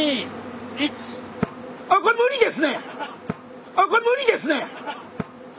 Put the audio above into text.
あこれ無理ですね！